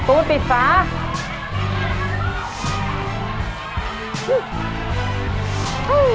วู้วไม่ต้องสร้างเรือร้อน